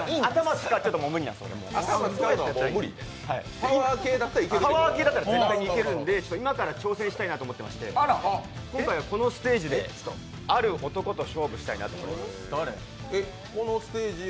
頭使うのは無理パワー系だったら絶対できるんで今から挑戦したいと思ってましてこのステージである男と勝負したいなと思います。